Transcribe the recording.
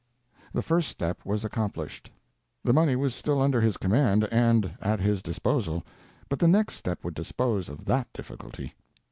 The first step was accomplished. The money was still under his command and at his disposal, but the next step would dispose of that difficulty.